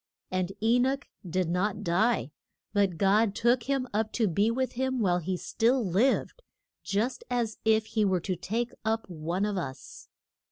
And E noch did not die, but God took him up to be with him while he still lived, just as if he were to take up one of us.